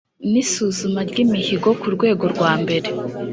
n isuzuma ry imihigo ku rwego rwa mbere